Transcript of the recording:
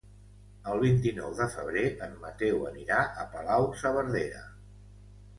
El vint-i-nou de febrer en Mateu anirà a Palau-saverdera.